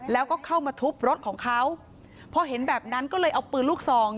แล้วก็เข้ามาทุบรถของเขาพอเห็นแบบนั้นก็เลยเอาปืนลูกซอง